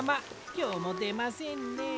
きょうもでませんね。